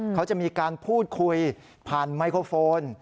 เขาจะมีการพูดคุยผ่านไมโครโฟน